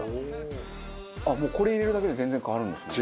もうこれ入れるだけで全然変わるんですね。